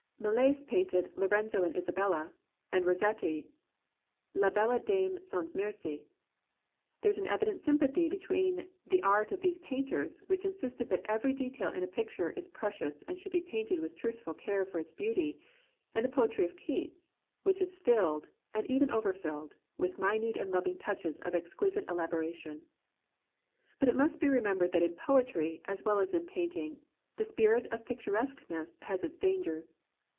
Millais painted "Lorenzo and Isabella," and Rossetti "La Belle Dame sans Merci." There is an evident sympathy between the art of these painters, which insisted that every detail in a picture is precious and should be painted with truthful care for its beauty, and the poetry of Keats, which is filled, and even overfilled, with minute and loving touches of exquisite elaboration. But it must be remembered that in poetry, as well as in painting, the spirit of picturesqueness has its dangers.